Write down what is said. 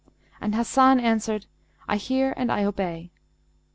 And Hasan answered, 'I hear and I obey.'